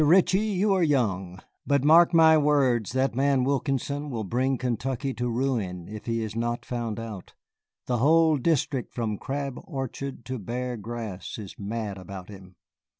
Ritchie, you are young, but mark my words, that man Wilkinson will bring Kentucky to ruin if he is not found out. The whole district from Crab Orchard to Bear Grass is mad about him.